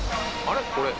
あれ？